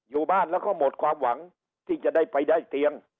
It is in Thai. อยู่บ้านแล้วก็หมดความหวังที่จะได้ไปได้เตียง